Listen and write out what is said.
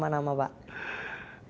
tapi kan beliau memberikan saran